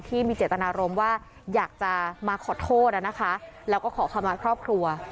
ที่มีเจตนารมณ์ว่าอยากจะมาขอโทษนะคะแล้วก็ขอคำมาครอบครัว